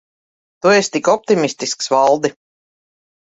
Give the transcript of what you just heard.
Tu esi tik optimistisks, Valdi.